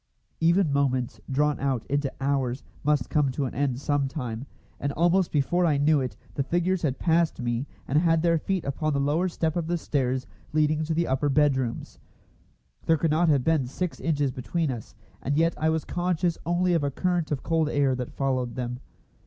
Even moments drawn out into hours must come to an end some time, and almost before I knew it the figures had passed me and had their feet upon the lower step of the stairs leading to the upper bedrooms. There could not have been six inches between us, and yet I was conscious only of a current of cold air that followed them.